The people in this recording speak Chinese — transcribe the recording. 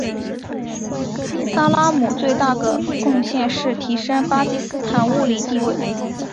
萨拉姆最大个贡献是提升巴基斯坦物理地位。